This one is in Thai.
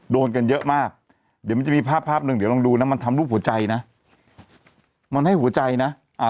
โดนกันเยอะมากเดี๋ยวมันจะมีภาพหนึ่งมันทำรูปหัวใจนะมันให้หัวใจนะ